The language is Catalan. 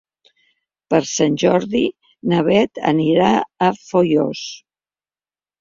Per Sant Jordi na Beth anirà a Foios.